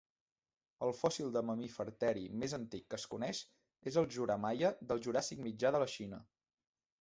El fòssil de mamífer teri més antic que es coneix és el "Juramaia", del Juràssic Mitjà de la Xina.